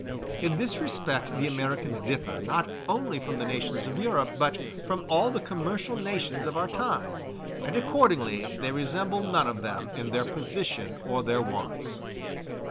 In this respect the Americans differ, not only from the nations of Europe, but from all the commercial nations of our time, and accordingly they resemble none of them in their position or their wants.